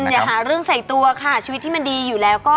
ถ้าแกอยากจะชักศึกลองดู